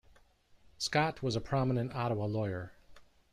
Scott was a prominent Ottawa lawyer.